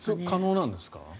可能なんですか？